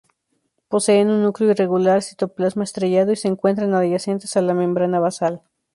Poseen un núcleo irregular, citoplasma estrellado y se encuentran adyacentes a la membrana basal.